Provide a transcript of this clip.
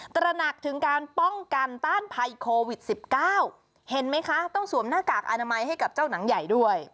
ตระหนักถึงการป้องกันต้านภัยโควิด๑๙เห็นไหมคะต้องสวมหน้ากากอนามัยให้กับเจ้าหนังใหญ่ด้วย